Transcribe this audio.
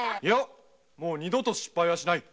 もう二度と失敗はしない。